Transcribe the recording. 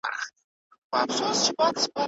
ګلونه په دښتو او غرونو کې راشنه کيږي.